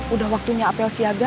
udah waktunya apel siaga